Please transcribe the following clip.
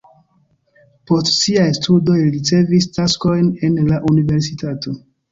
Post siaj studoj li ricevis taskojn en la universitato.